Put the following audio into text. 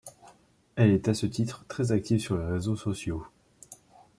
Elle est à ce titre très active sur les réseaux sociaux.